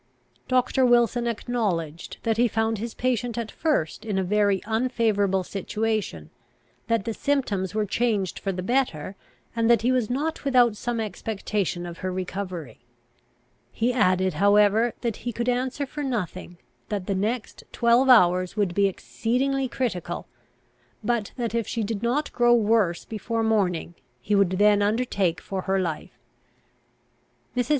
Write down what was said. Doctor Wilson acknowledged, that he found his patient at first in a very unfavourable situation, that the symptoms were changed for the better, and that he was not without some expectation of her recovery. He added, however, that he could answer for nothing, that the next twelve hours would be exceedingly critical, but that if she did not grow worse before morning, he would then undertake for her life. Mrs.